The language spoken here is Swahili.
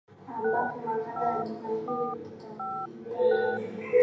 ambapo makala ya juma hili itaangazia